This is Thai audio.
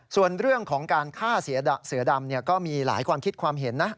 ส่วนเรื่องของการฆ่าเสือดำก็มีหลายความคิดความเห็นนะ